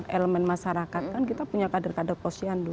elemen masyarakat kan kita punya kader kader posyandu